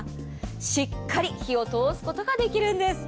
しっかり火を通すことができるんです。